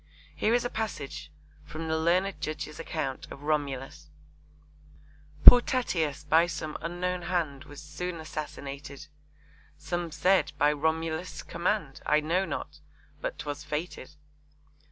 Here is a passage from the learned judge's account of Romulus: Poor Tatius by some unknown hand Was soon assassinated, Some said by Romulus' command; I know not but 'twas fated.